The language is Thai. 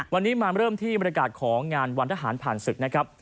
วันนี้มาเริ่มที่บรรยากาศของงานวันทหารผ่านศึกนะครับ